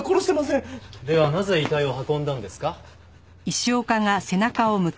ではなぜ遺体を運んだんですか？